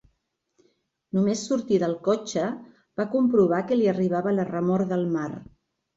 Només sortir del cotxe va comprovar que li arribava la remor del mar.